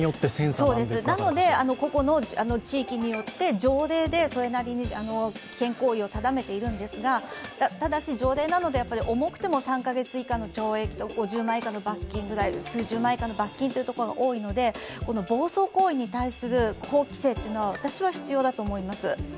なので個々の地域によって、条例でそれなりに危険行為を定めているのですが、ただし条例なので重くて３カ月以下の懲役と数十万円以下の罰金というところが多いので暴走行為に対する法規制は私は必要だと思います。